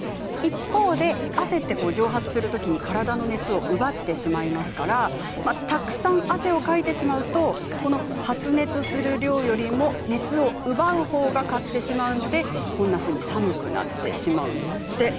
一方で汗は蒸発するときに体の熱を奪ってしまいますからたくさん汗をかいてしまうと発熱する量よりも熱を奪うほうが勝ってしまうのでこんなふうに寒くなってしまうんです。